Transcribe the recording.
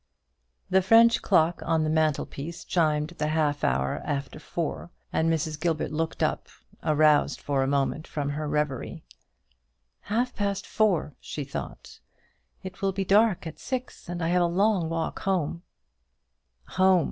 The French clock on the mantel piece chimed the half hour after four, and Mrs. Gilbert looked up, aroused for a moment from her reverie. "Half past four," she thought; "it will be dark at six, and I have a long walk home." Home!